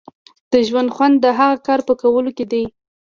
د ژوند خوند د هغه کار په کولو کې دی.